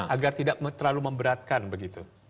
agar tidak terlalu memberatkan begitu